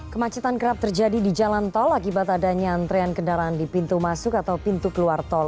kemacetan kerap terjadi di jalan tol akibat adanya antrean kendaraan di pintu masuk atau pintu keluar tol